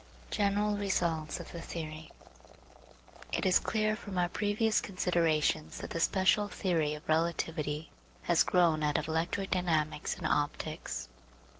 GENERAL RESULTS OF THE THEORY It is clear from our previous considerations that the (special) theory of relativity has grown out of electrodynamics and optics.